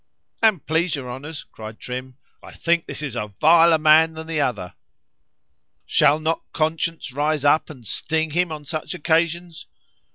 [An' please your honours, cried Trim, I think this a viler man than the other.] "Shall not conscience rise up and sting him on such occasions?